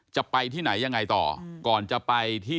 จะไปที่ไหนยังไงต่อก่อนจะไปที่